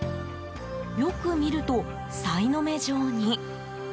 よく見ると、さいの目状に。